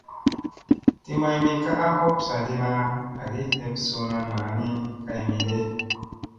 Ti maymi ka a hop saaɗi na agi heeɓ suuna naa ni kay me ge ?